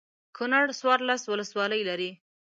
کنړ څوارلس ولسوالۍ لري.